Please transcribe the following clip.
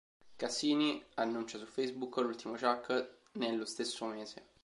Cassini annuncia su Facebook l'ultimo ciak nello stesso mese.